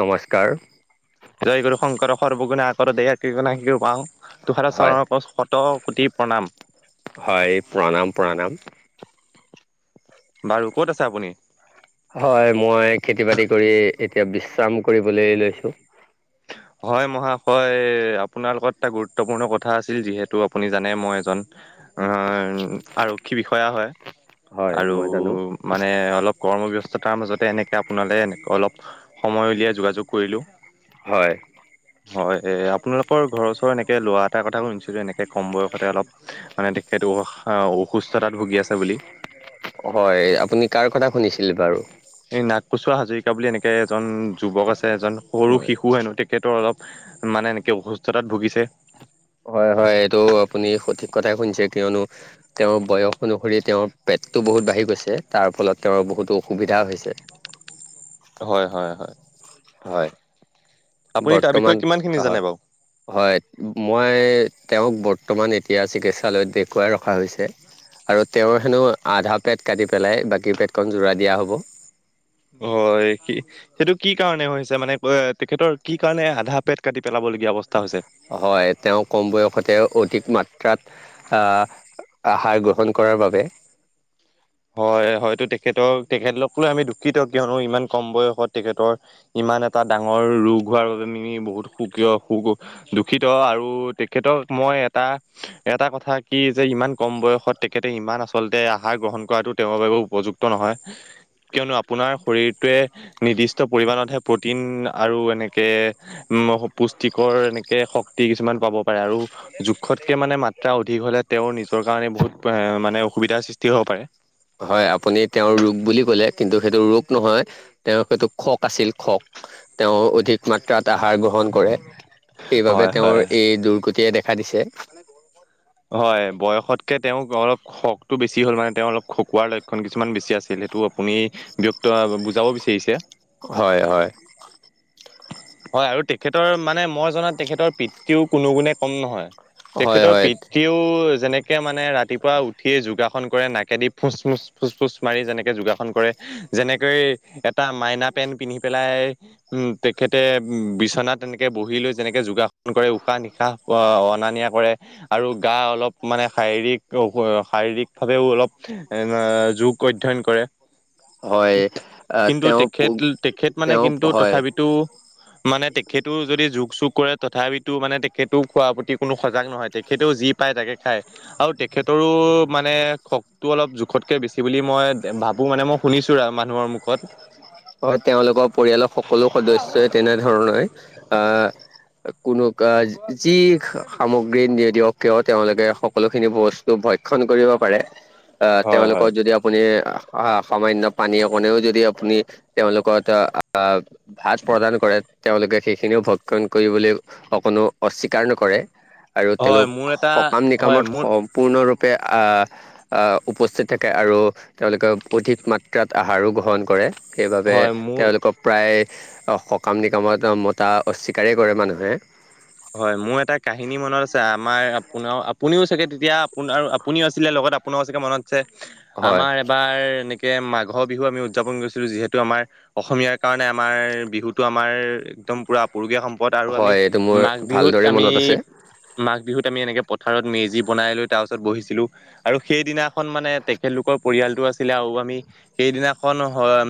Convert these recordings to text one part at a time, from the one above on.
নমস্কাৰ। জয় গুৰু শংকৰ সৰ্বগুণাকৰ দে আ ক গুণা শিকো বাওঁ তোহাৰ হয় চৰণত শত কোটি প্ৰণাম হয় প্ৰণাম প্ৰণাম। বাৰু ক'ত আছে আপুনি? খেতি-বাতি কৰি এতিয়া বিশ্ৰাম কৰিবলৈ লৈছোঁ। হয় মহাশয়, আপোনাৰ লগত এটা গুৰুত্বপূৰ্ণ কথা আছিল যিহেতু আপুনি জানে মই এজন উম, আৰক্ষী বিষয়া হয় হয় আৰু মই জানো মানে অলপ কৰ্মব্যস্ততাৰ মাজতে এনেকে আপোনালে এনে অলপ সময় উলিয়াই যোগাযোগ কৰিলোঁ হয়। হয় এ আপোনালোকৰ ঘৰৰ ওচৰ এনেকে ল'ৰা এটা কথা শুনিছিলোঁ এনেকে তে কম বয়সতে অলপ মানে তেখেত অসুস্থতাত ভুগি আছে বুলি হয় আপুনি কাৰ কথা লিভাৰু ক বুলি এনেকে এজন যুৱক আছে এজন সৰু শিশু হেনো তো অলপ মানে এনেকে অসুস্থতাত ভুগিছে। হয় হয় এইটো আপুনি সঠিক কথাই শুনিছে, কিয়নো তেওঁৰ বয়স অনুসৰি, তেওঁৰ পেট টো বহুত বাঢ়ি গৈছে তাৰ ফলত তেওঁৰ বহুতো অসুবিধা হৈছে হয়, হয়, হয়। হয়। আপুনি তাৰ বিষয়ে বৰ্তমান কিমান খিনি জানে হয়, বাৰু? হয়, মই তেওঁক বৰ বৰ্তমান এতিয়া চিকিৎসালয়ত দেখুৱাই ৰখা হৈছে আৰু তেওঁৰ হেনো আধা পেট কাটি পেলাই বাকী পেটকন জোৰা দিয়া হ'ব। হয়, সি, সেইটো কি কাৰণে হৈছে মানে তেখেতৰ কি কাৰণে আধা পেট কাটি পেলাব লগীয়া অৱস্থা হৈছে? হয়, তেওঁ কম বয়সতে অধিক মাত্ৰাত আ, আহাৰ গ্ৰহণ কৰাৰ বাবে হয়, হয়তো তেখেতৰ তেখেতলক লৈ আমি দুখিত কিয়নো ইমান কম বয়সত তেখেতৰ ইমান ইমান এটা ডাঙৰ ৰোগ হোৱাৰ বাবে মিনি বহুত সুকীয় সু দুখিত আৰু তেখেতক মই এটা, এটা কথা কি যে ইমান কম বয়সত তেখেতে ইমান আচলতে আহাৰ গ্ৰহণ কৰাটো তেওঁৰ বাবেও উপযুক্ত নহয়, কিয়নো আপোনাৰ শৰীৰটোৱে নিৰ্দিষ্ট পৰিমমানতহে প্ৰ'টিন আৰু এনেকে উ পুষ্টিকৰ এনেকে শক্তি কিছুমান পাব পাৰে, আৰু জোখতকে মানে মাত্ৰা অধিক হ'লে তেওঁৰ নিজৰ কাৰণে বহুত মানে অসুবিধাৰ সৃষ্টি হ'ব পাৰে। হয়, আপুনি তেওঁৰ ৰোগ বুলি ক'লে কিন্তু সেইটো ৰোগ নহয় তেওঁৰ সেইটো খক আছিল খক। তেওঁ অধিক মাত্ৰাত আহাৰ গ্ৰহণ কৰে সেইবাবে হয় হয় তেওঁৰ এই দুৰ্গতিয়ে দেখা দিছে। হয় বয়সতকে তেওঁক অলপ খকটো বেছি হ'ল মানে তেওঁ অলপ খকুৱাৰ লক্ষণ কিছুমান বেছি আছিলে। সেইটো আপুনি ব্যক্ত, বুজাব বিচাৰিছে হয় হয়। হয় আৰু তেখেতৰ মানে মই জনাত তেখেতৰ পিতৃও কোনো গুণে কম নহয় হয় তেখেতৰ হয় পিতৃয়েও যেনেকে মানে ৰাতিপুৱা উঠিয়ে যোগাসন কৰে না এদি ফুচ ফুচ ফুচ ফুচ মাৰি যেনেকে যোগাসন কৰে যেনেকৈ এটা মাইনা পেণ্ট পিন্ধি পেলাই তেখেতে বিশ্বনাথ তেনেকে বহি লৈ যেনেকে যোগাসন কৰে উশাহ নিশাহ অনা নিয়া কৰে আৰু গা অলপ মানে শাৰীৰিক, শাৰীৰিক ভাৱেও অলপ যোগ অধ্যয়ন কৰে। হয় কিন্তু তেওঁ তেখেত তেখেত মানে তেওঁ কিন্তু হয়। তথাপিতো মানে তেখেতো যদি যোগ চুগ কৰে তথাপিতো মানে তেখেতও খোৱা প্ৰতি কোনো সজাগ নহয় তেখেতেও যি পায় তাকে খায় আৰু তেখেতৰো মানে খকটো অলপ জোখতকে বেছি বুলি মই ভাবো মানে মই শুনিছো আৰু মানুহৰ মুখত। হয় তেওঁলোকৰ পৰিয়ালৰ সকলো সদস্যই তেনেধৰণৰ আহ কোনো যি সামগ্ৰী নিদিয়ক কিয় তেওঁলোকে সকলোখিনি বস্তু ভয় শণ কৰিব পাৰে আহ হয় হয় তেওঁলোকৰ যদি আপুনি সামান্য পানী অকণনেও যদি আপুনি তেওঁলোকত আহ ভাত প্ৰদান কৰে তেওঁলোকে সেইখিনিও ভক্ষণ কৰিবলৈ অকণো অস্বীকাৰ নকৰে। আৰু হয় তেওঁলোক মোৰ এটা সকাম হয় নিকামত মোৰ সম্পূৰ্ণৰূপ উপস্থিত থাকে আৰু তেওঁলোকে অধিক মাত্ৰাত আহাৰো গ্ৰহণ কৰে সেইবাবে হয় মোৰ তেওঁলোকক প্ৰায় সকাম নিকামত মতা অস্বীকাৰেই কৰে মানুহে। হয় মোৰ এটা কাহিনী মনত আছে। আমাৰ আপোনাৰ আপুনিও চাগে তেতিয়া আপোনাৰ আৰু আপুনিও আছিলে লগত আপোনাৰও চাগে মনত হয়। আমাৰ এবাৰ নি মাঘৰ বিহু আমি উদযাপন কৰিছিলো যিহেতু আমাৰ অসমীয়াৰ কাৰণে আমাৰ বিহুতটো আমাৰ একদম পুৰা আপুৰুগীয়া সম্পদ আৰু আমি হয় এইটো মোৰ মাঘ বিহুত ভালদৰে আমি মনত আছে মাঘ বিহু আমি এনেকে পথাৰত মেজি বনাই লৈ তাৰ ওচৰত বহিছিলোঁ, আৰু সেইদিনাখন তেখেতলোকৰ পৰিয়াল আম সেইদিনাখন হয়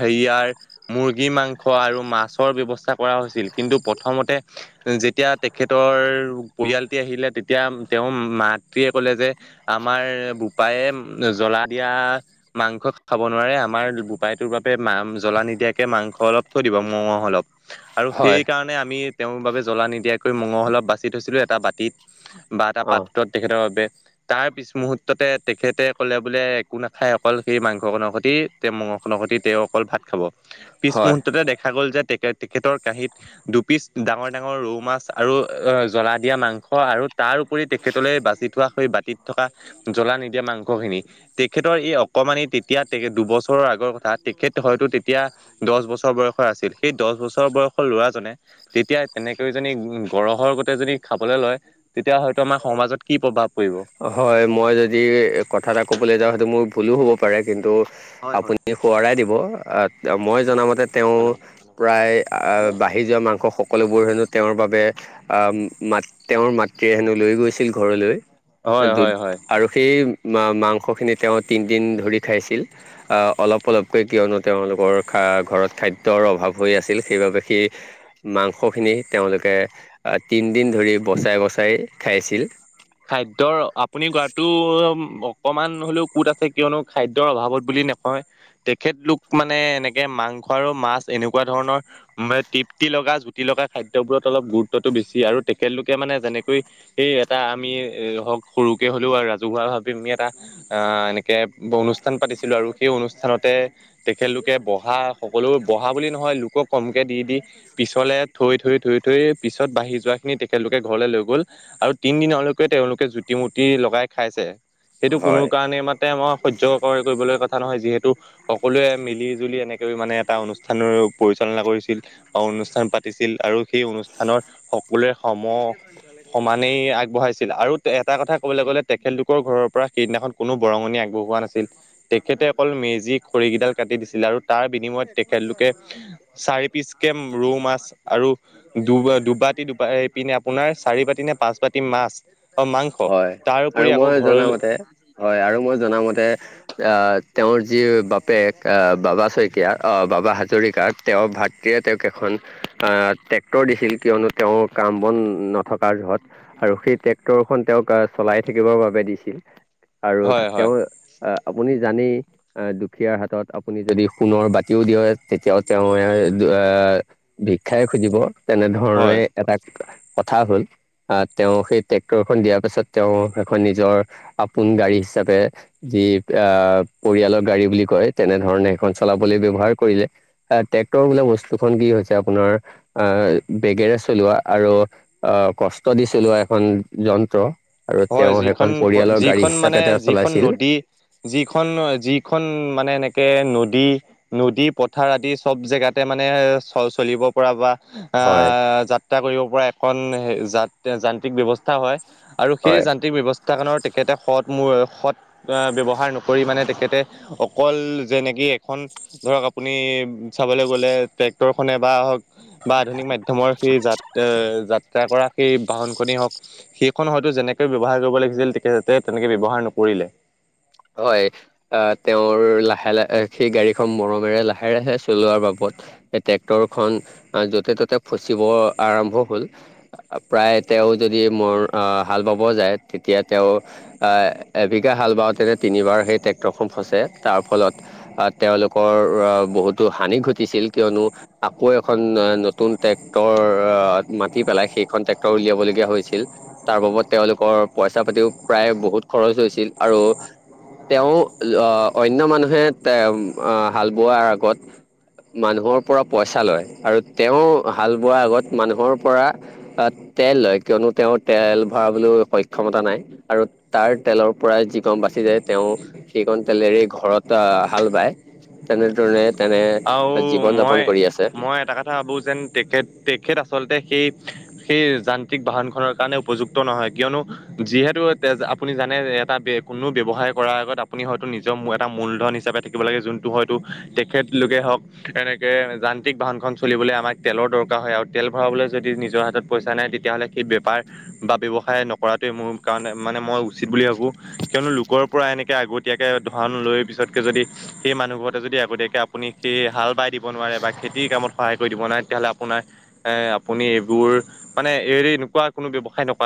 হেৰিয়াৰ মূৰ্গী মাংস মাছৰ ব্যৱস্থা কৰা হৈছিল কিন্তু প্ৰথমতে যেতিয়া তেখেতৰ পৰিয়ালটি আহিলে তেতিয়া তেওঁৰ মাতৃয়ে কলে যে আমাৰ বোপায়ে জ্বলা দিয়া মাংস খাব নোৱাৰে আমাৰ বোপাইতো তোৰ বাবে মা জ্বলা নিদিয়াকৈ মাংস অলপ থৈ দিব মঙহ অলপ। আৰু হয় সেই কাৰণে আমি তেওঁৰ বাবে জ্বলা নিদিয়াকৈ মঙহ অলপ বাচি থৈছিলো এটা বাতিত। বা এটা অ'। পাত্ৰ তেখেতৰ বাবে। তাৰ পিছ মুহুৰ্ততে তেখেতে কলে বোলে একো নাখায় অকল সেই মাংসখনৰ সৈতে তে ম আপ সতি তেওঁ অকল ভাত খাব পিছ হয় মুহুৰৰ্ততে দেখা গ'ল যে তেখেতৰ কাঁহত দুপিচ ডাঙৰ ডাঙৰ ৰৌ মাছ আৰু জ্বলা দিয়া মাংস আৰু তাৰ উপৰি তেখেতলৈ বাচি থোৱা সেই বাতিত থকা জ্বলা নিদিয়া মাংসখিনি তেখেতৰ এই অকমানি তেতিয়া তে দুবছৰৰ আগৰ কথা তেখেত হয়তো তেতিয়া দহ বছৰ বয়সৰ আছিল সেই দহ বছৰ বয়সৰ ল'ৰাজনে তেতিয়া তেনেকৈ যী উ গৰহৰ গতে যদি খাবলৈ লয় তেতিয়া হয়তো আমাৰ সমাজত কি প্ৰভাৱ পৰিব হয় মই যদি কথা এটা ক'ব কবলৈ যাও সেইটো মোৰ ভুলো হ'ব পাৰে কিন্তু আপোনি সোৱঁৰাই দিব মই জনা মতে তেওঁ প্ৰায় বাঢ়ি যোৱা মাংস সকলোবোৰ হেনো তেওঁৰ বাবে অ মাত তেওঁৰ মাতৃয়ে হেনো লৈ গৈছিল ঘৰলৈ হয় যদি হয় হয় আৰু সেই ম মাংসখিনি তেওঁ তিনদিন ধৰি খাইছিল অলপ অলপকৈ কিয়নো তেওঁলোকৰ খা অ', ঘৰত খাদ্যৰ অভাৱ হৈ আছিল সেই বাবে সেই মাংস খিনি তেওঁলোকে তিনদিন দিন ধৰি বচাই বচাই খাইছিল খাদ্যৰ আপুনি কোৱাটো অকমান হ'লেও ক'ত আছে কিয়নো খাদ্যৰ অভাৱত বুলি নকয় তেখেতলোক মানে এনেকে মাংস আৰু মাছ এনেকুৱা ধৰণৰ তৃপ্তি লগা জুতি লগা খাদ্য বোৰত অলপ গুৰুত্বতটো বেছি আৰু তেখেতলোকে মানে যেনেকৈ সেই এটা আ আমি হওক সৰুকে হলেও আৰু ৰাজহুৱা ভাবি আমি এটা অ এনেকে অনুষ্ঠ অনুষ্ঠান পাতিছিলো আৰু সেই অনুষ্ঠানতে তেখেতলোকে বহা সকলো বহা বুলি নহয় লোকক কমকে দি দি পিছলে থৈ-থৈ-থৈ-থৈ পিছত বাঢ়ি যোৱা খিনি তেখেতলোকে ঘৰলে লৈ গ'ল আৰু তিনি দিন লৈ তেওঁলোকে জুতি মূ্তি লগাই খাইছে। সেইটো কোনো হয়। কাৰণেই মতে মই সহ্য কৰিবলৈ কথা নহয়, যিহেতু সকলোৱে মিলি জুলি কেনেকৈ মানে এটা অনুষ্ঠানৰ পৰিচালনা কৰিছিল বা অনুষ্ঠান পাতিছিল আৰু সেই অনুষ্ঠানৰ সকলোৱে সম সমানেই আগবঢ়াইছিল আৰু এটা কথা ক'বলৈ গ'লে তেখেতলোকৰ ঘৰত ঘৰৰ পৰা সেইদিনাখন কোনো বৰঙণি আগবঢ়োৱা নাছিল। তেখেতে অকল মেজি খৰিকেইডাল কাটি দিছিল আৰু তাত তাৰ বিনিময়ত তেখেতলোকে চাৰি পিচকে ৰৌ মাছ আৰু দুবাত দুবাৰ এইপিনে আপোনাৰ চাৰি বাতি নে পাঁচ বাতি মাছ। অ মাংস হয় তাৰ আৰু উপৰি আকৌ মই ঘৰলৈ জনামতে হয় আৰু মই জনামতে আহ তেওঁৰ যি বাপেক বাবা শইকীয়া, বাবা হাজৰিকা তেওঁৰ ভাতৃয়ে তেওঁক এখন আ ট্ৰেক্টৰ দিছিল কিয়নো তেওঁৰ কাম বন নথকাৰ য'ত আৰু সেই ট্ৰেক্টৰখন তেওঁক চলাই থাকিবৰ বাবে দিছে। দিছিল আৰু হয় হয় তেওঁৰ আহ আপুনি জানেই দুখীয়াৰ হাতত আপুনি যদি সোণৰ বাতিও দিয়ে, তেতিয়াও তেওঁ এ ভিক্ষাই খুজিব। হয় তেনেধৰণে এটা কথা হ'ল আহ তেওঁ সেই ট্ৰেক্টৰখন দিয়াৰ পাছত তেওঁ এখন নিজৰ আপোন গাড়ী হিচাপে যি আহ পৰিয়ালৰ গাড়ী বুলি কয় তেনেধৰণে সেইখন চলা আপুনি ব্যৱহাৰ কৰিলে। অ' ট্ৰেক্টৰ বোলা বস্তু খন কি হৈছে আপোনাৰ অ' বেগেৰে চলা চলোৱা আৰু অ' কষ্ট দি চলোৱা এখন যন্ত্ৰ আৰু হয় তেওঁ সেইখন যিখন পৰিয়ালৰ গাড়ী যিখন হিচাপে মানে, তেওঁ যিখন চলাইছিল নদী যিখন-যিখন মানে এনেকে নদী নদী, পথাৰ আদি চব জেগাতে মানে চ চলিব পৰা বা হয় আহ, যাত্ৰা কৰিব পৰা এখন য যান্ত্ৰিক ব্যৱস্থা হয়। আৰু সেই হয় যান্ত্ৰিক ব্যৱস্থাখনত তেখেতে সৎত মোৰ সৎত ব্যৱহাৰ নকৰি মানে তেখেতে অকল যেনেকি এখন ধৰক আপুনি চাবলৈ গলে ট্ৰেক্টৰ খনে বা হ'ক বা আধুনিক মাধ্যমৰ সেই যাত যাত্ৰা কৰা সেই বাহন খনে হওক সেই খন হয়তো যেনেকে ব্যৱহাৰ কৰিব লাগিছিল তেতিয়া তাতে তেনেকে ব্যৱহাৰ নকৰিলে। হয় আহ, তেওঁৰ লাহে-লাহে সেই গাড়ীখন মৰমেৰে লাহে-লাহে চলোৱাৰ বাবদ এ ট্ৰেক্টৰ খন য'তে ত'তে ফচিব আৰম্ভ হ'ল প্ৰায় তেওঁ যদি মোৰ আহ, হাল বাব যায় তেতিয়া তেওঁ আহ, এবিঘা হাল বাওঁতে তিনিবাৰ সেই ট্ৰেক্টৰখন ফচে তাৰ ফলত তেওঁলোকৰ বহুতো হানি ঘটিছি ল কিয়নো আকৌ এখন নতুন ট্ৰেক্টৰ মাতি পেলাই সেইখন ট্ৰেক্টৰ উলিয়াব লগা হৈছিল তাৰ বাবত তেওঁলোকৰ পইচা পাতিও প্ৰায় বহুত খৰচ হৈছিল আৰু তেওঁ আহ, অন্য মানুহে তে হাল বোৱাৰ আগত মানুহৰ পৰা পইচা লয় আৰু তেওঁ হাল বোৱাৰ আগত মানুহৰ পৰা আ তেল লয় কিয়নো তেওঁৰ তেল ভৰাবলৈ সক্ষমতা নাই আৰু তাৰ তেলৰ পৰাই যি গওঁ বাচি যায় তেওঁ সেইকণ তেলেৰে ঘৰত হাল বায় তেনেধৰণে তেনে আৰু জীৱন যাপন কৰি আছে মই-মই এটা কথা ভাবো যেন তেখেত- তেখেত আচলতে সেই-সেই যান্ত্ৰিক বাহন খনৰ কাৰণে উপযুক্ত নহয় কিয়নো যিহেতু তেজ আপুনি জান মানে এটা কোনো ব্যৱসায় কৰাৰ আগত আপুনি হয়তো নিজৰ এটা মূলধন হিচাপে থাকিব লাগে যোনটো হয়তো তেখেত লোকে হওক এনেকে যান্ত্ৰিক বাহন খন চলিবলৈ আমাক তেলৰ দৰকাৰ হয় আৰু তেল ভৰাবলৈ যদি নিজৰ হাতত পইচা নাই তেতিয়াহ'লে সেই বেপাৰ বা ব্যৱসায় নকৰাটোৱে মোৰ কাৰণে মানে মই উচিত বুলি ভাবো। কিয়নো লোকৰ পৰা এনেকে আগতীয়াকে ধন লৈ পিছতকে যদি সেই মানুহ ঘৰতে যদি আগতীয়াকে আপুনি সেই হাল বাই দিব নোৱাৰে বা খেতিৰ কামত সহায় কৰি দিব নোৱাৰে তেতিয়াহ'লে আপোনাৰ এ আপুনি এইবোৰ মানে এৰি নুকোৱা কোনো ব্যৱসায় নক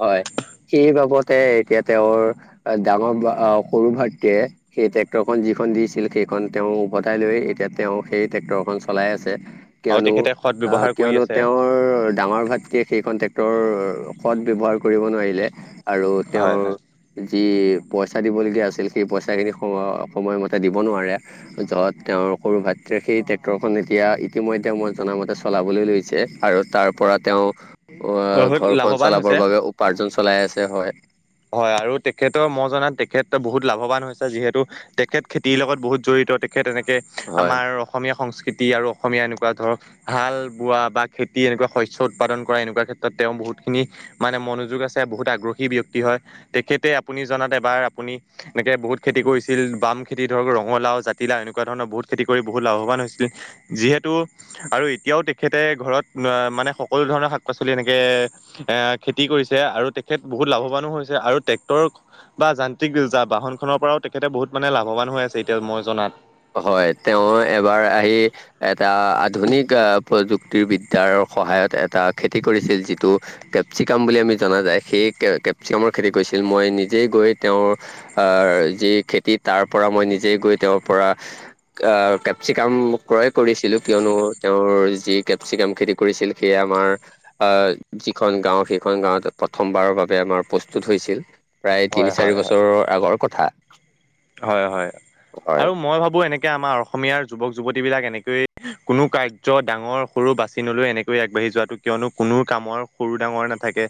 হয় সেই বাবদ এ এতিয়া তেওঁৰ ডাঙৰ সৰু ভাইটিয়ে সেই ট্ৰেক্টৰখন যিখন দিছিল সেই খন তেওঁ উভতাই লৈ, এতিয়া তেওঁ সেই ট্ৰেক্টৰখন চলাই আছে। আৰু কিয়নো তেখেতে সৎ অহ, ব্যৱহাৰ কৰি কিয়নো আছে তেওঁৰ ডাঙৰ ভাতৃক সেইখন ট্ৰক্ট সৎ ব্যৱহাৰ কৰিব নোৱাৰিলে, আৰু হয় তেওঁৰ হয় যি পইচা দিবলগীয়া আছিল, সেই পইচাখিনি সম-সময়মতে দিব নোৱাৰে। য'ত তেওঁৰ সৰু ভাতৃ সেই ট্ৰেক্টৰখন এতিয়া ইতিমধ্যে মই জনামতে চলাবলৈ লৈছে, আৰু তাৰ পৰা তেওঁ অহ' বহুত ঘৰখন লাভৱান হৈছে। চলাবৰ বাবে উপাৰ্জন চলাই আছে হয়। হয় আৰু তেখেতৰ মই জানাত তেখেত বহুত লাভৱান হৈছে, যিহেতু তেখেত খেতিৰ লগত বহুত জড়িত তেখেত তেনেকে হয় আমাৰ অসমীয়া সংস্কৃতি খেতি আৰু অসমীয়া এনেকুৱা ধৰক হাল বোৱা বা খেতি এনেকুৱা শস্য উৎপাদন কৰা এনেকুৱা ক্ষেত্ৰত তেওঁ বহুত বহুত খিনি মানে মনোযোগ আছে বহুত আগ্ৰহী ব্যক্তি হয়। তেখেতে আপুনি জনাত এবাৰ আপুনি এনেকে বহুত খেতি কৰিছিল বাম খেতি ধৰক ৰঙালাও জাতি এনেকুৱা ধৰণৰ বহুত খেতি কৰি বহুত লাভৱান হৈছিল, যিহেতু আৰু এতিয়াও তেখেতে ঘৰত মানে সকলো ধৰণৰ শাক-পাচলি এনেকে, এ খেতি কৰিছে আৰু খেত বহুত লাভৱানো হৈছে আৰু ট্ৰেক্টৰ বা যান্ত্ৰিক বাহনখনৰ পৰাওঁ বহুত মানে লাভৱান হৈ আছে এতিয়া। হয় তেওঁ এবাৰ আহি, এটা আধুনিক আহ প্ৰযুক্তি শক্তিবিদ্যাৰ সহায়ত এটা খেতি কৰিছিল যিটো, কেপচিকাম বুলি আমি জনা যায়। সেই কে কেপচিকামৰ খেতি কৰিছিল, মই নিজেই গৈ তেওঁৰ অহ, যি খেতি তি‌ তাৰপৰা মই নিজে গৈ তেওঁৰ পৰা আহ, কেপচিকাম ক্ৰয় কৰিছিলো কিয়নো [unintelligible] প্ৰথমবাৰৰ বাবে আমাৰ প্ৰস্তুত হৈছিল। প্ৰায় তিনি হয় চাৰি হয় হয় বছৰৰ আগৰ কথা। হয়, হয়। হয় আৰু মই ভাবো এনেকে আমাৰ অসমীয়াৰ যুৱক-যুৱতী বিলাক এনেকৈয়ে কোনো কাৰ্য ডাঙৰ সৰু বাচি নলৈ এনেকৈ আগবাঢ়ি যোৱাাতটো, কিয়নো কোনো কামৰ সৰু ডাঙৰ নাথাকে।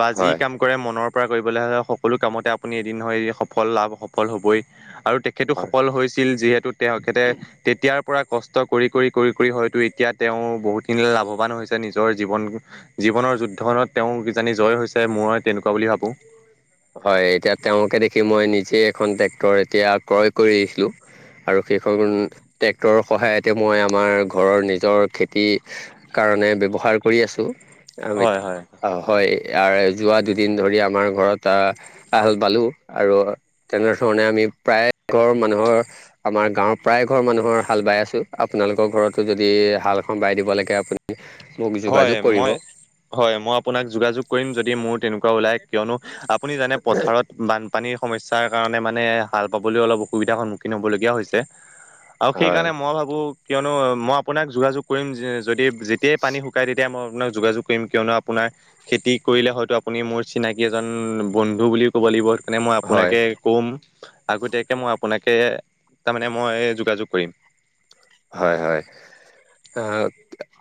বা যি হয় কাম কৰে, মনৰ পৰা কৰিবলৈ হ'লে সকলো কামতে আপুনি এদিন হয় সফল লাভ সফল হ'বই। আৰু তেখেতো হয় সফল হৈছিল, যিহেতু তেখেতে তেতিয়াৰ পৰা কষ্ট কৰি, কৰি, কৰি, কৰি, হয়তো এতিয়া তেওঁ বহুতখিনি লাভৱান হৈছে, নিজৰ জীৱন জীৱনৰ যুদ্ধখনত তেওঁ কিজানি জয় হৈছে, মই তেনেকুৱা হয় এতিয়া তেওঁলোকে দেখি মই নিজে এখন ট্ৰেক্টৰ, এতিয়া ক্ৰয় কৰিছিলো। আৰু সেইখন ট্ৰেক্টৰৰ সহায়তে মই আমাৰ ঘৰৰ নিজৰ খেতি কাৰণে ব্যৱহাৰ কৰি আছোঁ। আৰু হয় এটি। হয় অহ, হয়। আৰু যোৱা দুদিন ধৰি আমাৰ ঘৰত এটা আহাল বালো। আৰু তেনেধৰণে আমি প্ৰায় ঘৰ মানুহৰ আমাৰ আমাৰ গাঁৱৰ প্ৰায় ঘৰৰ মানুহৰ হাল বাই আছোঁ। আপোনালোকৰ ঘৰতো যদি হালখন বাই দিব লাগে আপুনি মোক হয় যোগাযোগ কৰিব মই। হয় মই আপোনাক যোগাযোগ কৰিম যদি মোৰ তেনেকুৱা ওলাই। কিয়নো আপুনি জানে পথাৰত বান পানীৰ সমস্যাৰ কাৰণে মানে হাল বাবলৈ অলপ অসুবিধাৰ সন্মুখীন হ'বলগীয়া হৈছে। আৰু হয় সেইকাৰণে মই ভাবো, কিয়নো মই আপোনাক যোগাযোগ কৰিম যদি যেতিয়াই পানী শুকাই তেতিয় মই আপোনাক যোগাযোগ কৰিম। কিয়নো আপোনাৰ খেতি কৰিলে হয়তো আপুনি মোৰ চিনাকি এজন বন্ধু বুলি ক'ব লাগিব। সেইকাৰণে মই হয় আপোনাকে ক'ম। আগতীয়াকে মই আপোনাকে, তাৰমানে মই যোগাযোগ কৰিম। হয়, হয়